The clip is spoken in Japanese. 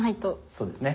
そうですね。